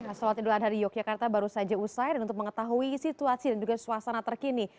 salat idul adha di yogyakarta baru saja usai dan untuk mengetahui situasi dan juga suasana terkini